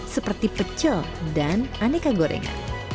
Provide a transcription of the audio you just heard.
seperti pecel dan aneka gorengan